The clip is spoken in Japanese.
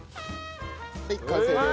はい完成です。